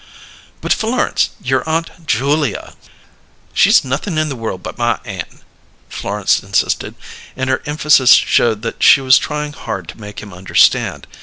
"But, Florence, your Aunt Julia " "She's nothin' in the world but my aunt," Florence insisted, and her emphasis showed that she was trying hard to make him understand.